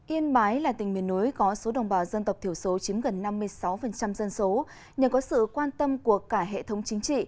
yên bái là tỉnh miền núi có số đồng bào dân tộc thiểu số chiếm gần năm mươi sáu dân số nhờ có sự quan tâm của cả hệ thống chính trị